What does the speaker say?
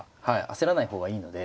焦らない方がいいので。